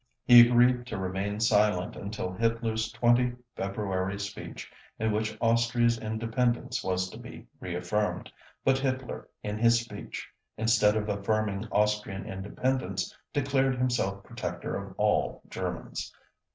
He agreed to remain silent until Hitler's 20 February speech in which Austria's independence was to be reaffirmed, but Hitler in his speech, instead of affirming Austrian independence, declared himself protector of all Germans.